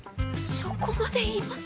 そこまで言います？